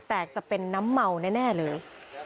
แต่จะเป็นน้ำเมาแน่เลย